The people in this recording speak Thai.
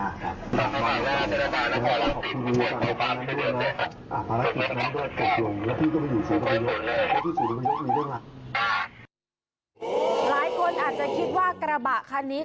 หลายคนอาจจะคิดว่ากระบะคันนี้